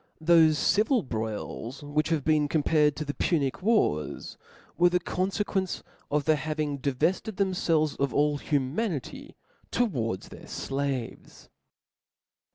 Thofe civil broils which have been compared to the Punic wars, were the confequence of their having divefted themfelves of all humanity towards their ilaves *.